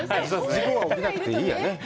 事故が起きなくていいよね？